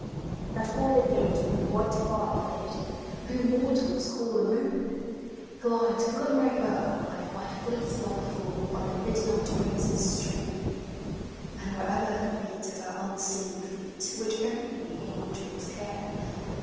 i fa That orbed maiden with white fire laden. Whom mortals call the moon. Glides glimmering o'er my fleece like floor By the midnight breezes strewn; And wherever the beat of her unseen feet. Which only the angels hear.